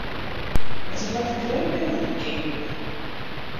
As ik letter grut bin, wol ik kening wurde.